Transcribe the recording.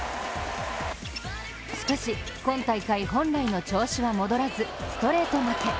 しかし、今大会本来の調子は戻らずストレート負け。